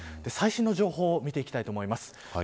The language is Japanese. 最新の情報を見ていきたいと思います。